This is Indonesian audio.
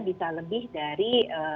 bisa lebih dari